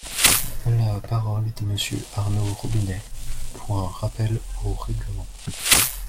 La parole est à Monsieur Arnaud Robinet, pour un rappel au règlement.